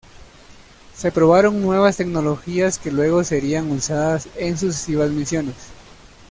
Se probaron nuevas tecnologías que luego serían usadas en sucesivas misiones.